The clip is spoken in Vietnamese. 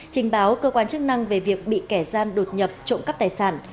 trình báo cơ quan chức năng về việc bị kẻ gian đột nhập trộm cắp tài sản